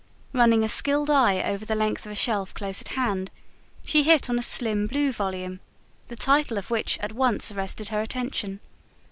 Running a skilled eye over the length of a shelf close at hand, she hit on a slim, blue volume, the title of which at once arrested her attention.